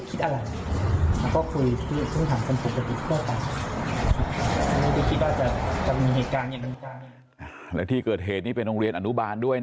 การที่เกิดเหตุเป็นที่อันนุบาลด้วย